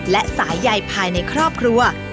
และสายใหญ่ภายในครอบครัว